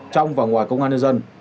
trong và ngoài công an nhân dân